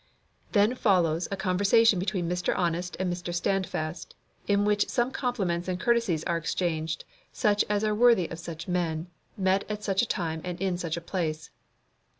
Then follows a conversation between Mr. Honest and Mr. Standfast, in which some compliments and courtesies are exchanged, such as are worthy of such men, met at such a time and in such a place.